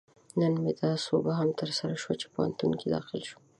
نن مې دا سوبه هم ترسره شوه، چې پوهنتون کې داخل شوم